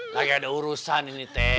lagi ada urusan ini teh